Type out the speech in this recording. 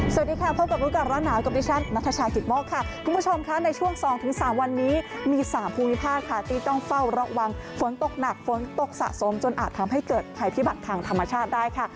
สวัสดีค่ะพบกับรู้ก่อนร้อนหนาวกับดิฉันนัทชายกิตโมกค่ะคุณผู้ชมค่ะในช่วง๒๓วันนี้มี๓ภูมิภาคค่ะที่ต้องเฝ้าระวังฝนตกหนักฝนตกสะสมจนอาจทำให้เกิดภัยพิบัติทางธรรมชาติได้ค่ะ